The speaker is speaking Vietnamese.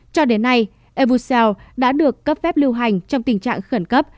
cho đến nay evosel đã được cấp phép lưu hành trong tình trạng khẩn cấp